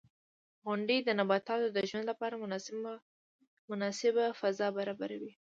• غونډۍ د نباتاتو د ژوند لپاره مناسبه فضا برابروي.